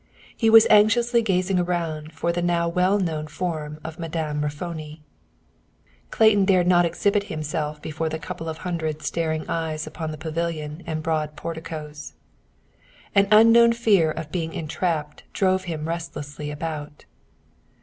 He was anxiously gazing around for the now well known form of Madame Raffoni. Clayton dared not exhibit himself before the couple of hundred staring eyes upon the pavilion and broad porticos. An unknown fear of being entrapped drove him restlessly about.